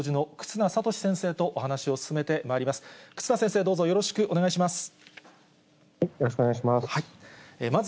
忽那先生、どうぞよろしくお願いします。